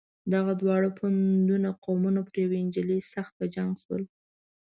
دغه دواړه پوونده قومونه پر یوې نجلۍ سخت په جنګ شول.